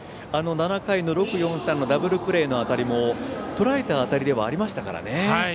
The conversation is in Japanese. ７回の、６―４―３のダブルプレーの当たりもとらえた当たりではありましたからね。